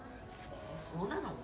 ・えぇそうなの？